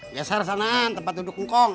iya saya harus senang tempat duduk hukum